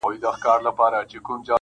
د لوی ځنګله پر څنډه-